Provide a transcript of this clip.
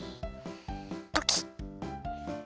ポキッ！